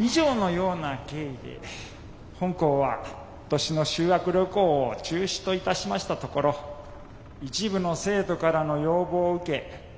以上のような経緯で本校は今年の修学旅行を中止といたしましたところ一部の生徒からの要望を受けその実施を再検討しております。